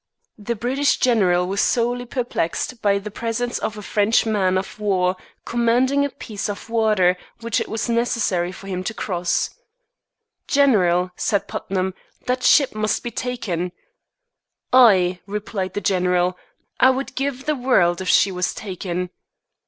The British general was sorely perplexed by the presence of a French man of war commanding a piece of water which it was necessary for him to cross. "General," said Putnam, "that ship must be taken." "Aye," replied the general, "I would give the world if she was taken."